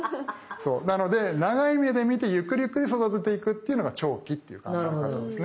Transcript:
なので長い目で見てゆっくりゆっくりそだてていくっていうのが長期っていう考え方ですね。